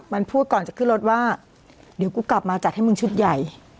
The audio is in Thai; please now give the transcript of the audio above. มันพูดก่อนจะขึ้นรถว่าเดี๋ยวกูกลับมาจัดให้มึงชุดใหญ่